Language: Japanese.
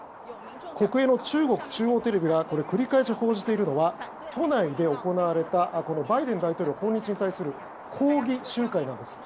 国営の中国中央テレビが繰り返し報じているのは都内で行われたバイデン大統領訪日に対する抗議集会なんです。